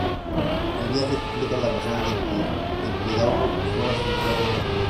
El viaje explica la razón de que Epidauro fuera su lugar natal.